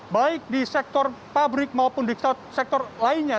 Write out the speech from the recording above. baik di sektor pabrik maupun di sektor lainnya